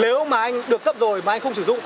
nếu mà anh được cấp rồi mà anh không sử dụng